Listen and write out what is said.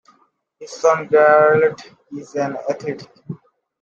His son Gerald is an athlete.